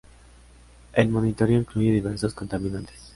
El monitoreo incluye diversos contaminantes.